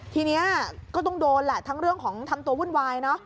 ทีนี้ก็ต้องโดนแหละทั้งเรื่องของทำตัววุ่นวายเนอะ